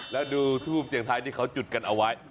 แล้วดูทูปเสียงไทยที่เขาจุดกันเอาไว้